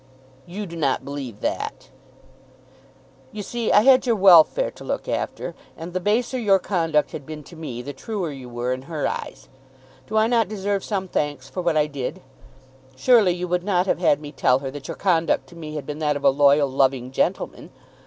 "You do not believe that." "You see I had your welfare to look after; and the baser your conduct had been to me, the truer you were in her eyes. Do I not deserve some thanks for what I did? Surely you would not have had me tell her that your conduct to me had been that of a loyal, loving gentleman.